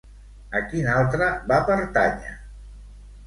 A quin altre va pertànyer?